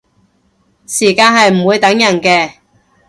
時間係唔會等人嘅